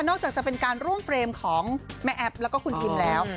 อกจากจะเป็นการร่วมเฟรมของแม่แอฟแล้วก็คุณคิมแล้ว